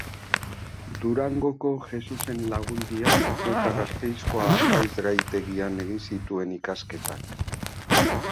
Durangoko Jesusen Lagundian eta Gasteizko apaizgaitegian egin zituen ikasketak.